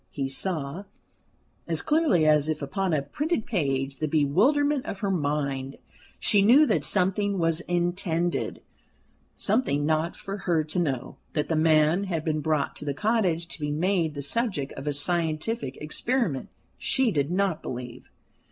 He saw, as clearly as if upon a printed page, the bewilderment of her mind. She knew that something was intended something not for her to know. That the man had been brought to the cottage to be made the subject of a scientific experiment she did not believe.